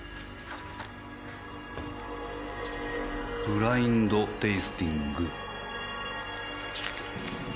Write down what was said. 「ブラインド・テイスティング」？